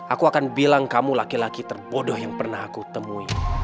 aku akan bilang kamu laki laki terbodoh yang pernah aku temui